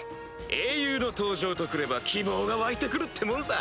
英雄の登場と来れば希望が湧いて来るってもんさ。